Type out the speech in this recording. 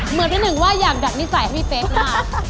เหมือนพี่หนึ่งว่าอยากดักนิสัยให้พี่เป๊กมาก